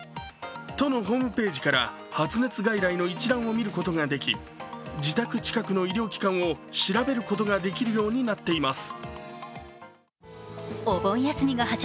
都のホームページから発熱外来の一覧を見ることができ自宅近くの医療機関を調べることができるようになっています。